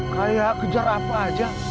kayak kejar apa aja